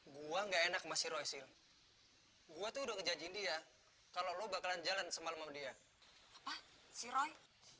gua nggak enak masih resipi gua tuh udah kejanjin dia kalau lo bakalan jalan semalam dia apa si roy